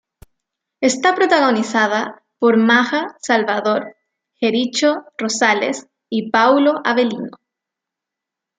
Está protagonizada por Maja Salvador, Jericho Rosales y Paulo Avelino.